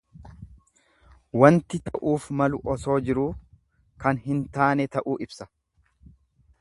Wanti ta'uuf malu osoo jiruu kan hin taane ta'uu ibsa.